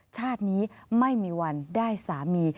ชาตินี้ไม่มีวันได้สามี